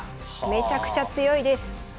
めちゃくちゃ強いです。